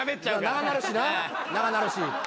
長なるしな長なるし。